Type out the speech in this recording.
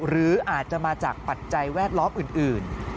หรืออาจจะมาจากปัจจัยแวดล้อมอื่น